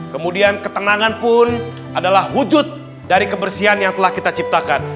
kemudian ketenangan pun adalah wujud dari kebersihan yang telah kita ciptakan